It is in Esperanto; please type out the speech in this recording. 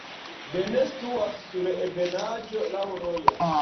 Bene situas sur ebenaĵo, laŭ rojo.